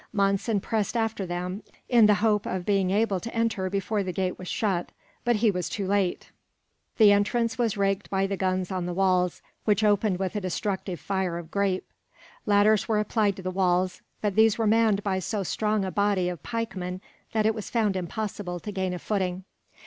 Monson pressed after them, in the hope of being able to enter before the gate was shut; but he was too late. The entrance was raked by the guns on the walls, which opened with a destructive fire of grape. Ladders were applied to the walls, but these were manned by so strong a body of pikemen that it was found impossible to gain a footing.